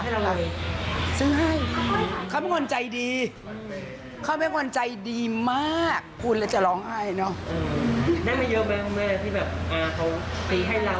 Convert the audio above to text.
ได้มาเยอะไหมคุณแม่ที่แบบเขาตีให้เรา